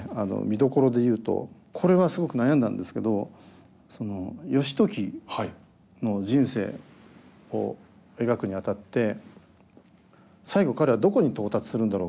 見どころで言うとこれはすごく悩んだんですけどその義時の人生を描くにあたって最期彼はどこに到達するんだろうか。